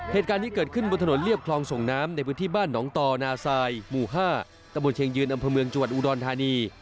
เหตุการณ์นี้เกิดขึ้นบนถนนเรียบคลองส่งน้ำในพื้นที่บ้านหนองตอนาซายหมู่๕ตะบนเชียงยืนอำเภอเมืองจังหวัดอุดรธานี